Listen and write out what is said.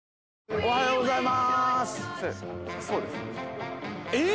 おはようございます！